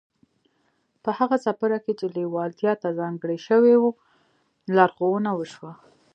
په هغه څپرکي کې چې لېوالتیا ته ځانګړی شوی و لارښوونه وشوه.